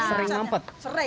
oh mampet di sini